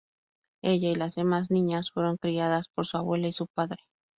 Ella y las demás niñas fueron criadas por su abuela y su padre.